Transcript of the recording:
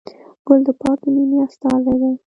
ګل د پاکې مینې استازی دی.